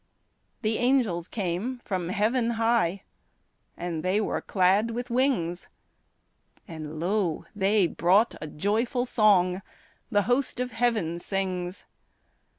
The angels came from heaven high, And they were clad with wings; And lo, they brought a joyful song The host of heaven sings.